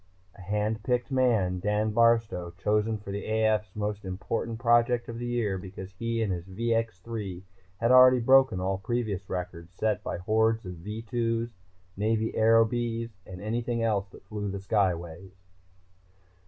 A hand picked man, Dan Barstow, chosen for the AF's most important project of the year because he and his VX 3 had already broken all previous records set by hordes of V 2s, Navy Aerobees and anything else that flew the skyways.